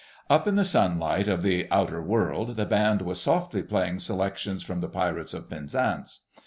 Up in the sunlight of the outer world the band was softly playing selections from "The Pirates of Penzance."